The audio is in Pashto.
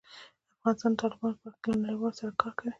افغانستان د تالابونو په برخه کې له نړیوالو سره کار کوي.